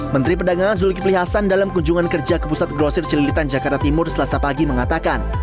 menteri perdagangan zulkifli hasan dalam kunjungan kerja ke pusat grosir celilitan jakarta timur selasa pagi mengatakan